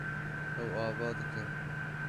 Ew ava dike.